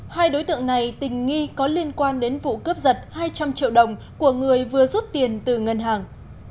hai đối tượng này tình nghi có liên quan đến vụ cướp giật hai trăm linh triệu đồng của người vừa rút tiền từ ngân hàng